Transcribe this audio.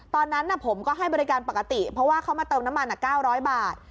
ตอนนั้นน่ะผมก็ให้บริการปกติเพราะว่าเขามาเติมน้ำมันอ่ะเก้าร้อยบาท